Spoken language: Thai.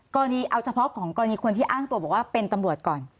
เอาเฉพาะของกรณีคนที่อ้างตัวบอกว่าเป็นตำรวจก่อน